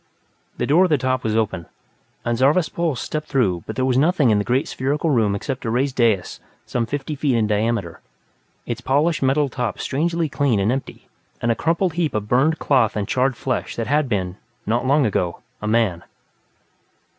The door at the top was open, and Zarvas Pol stepped through but there was nothing in the great spherical room except a raised dais some fifty feet in diameter, its polished metal top strangely clean and empty. And a crumpled heap of burned cloth and charred flesh that had, not long ago, been a man.